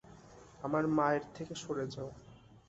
আমার মায়ের থেকে সরে যাও!